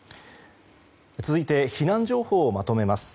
続いて、避難情報をまとめます。